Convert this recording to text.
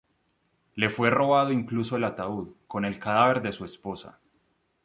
Le fue robado incluso el ataúd con el cadáver de su esposa.